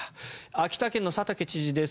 秋田県の佐竹知事です。